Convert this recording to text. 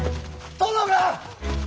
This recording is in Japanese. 殿が！